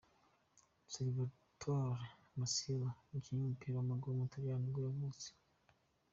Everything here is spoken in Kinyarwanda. Salvatore Masiello, umukinnyi w’umupira w’amaguru w’umutaliyani nibwo yavutse.